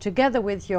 bộ xe chạy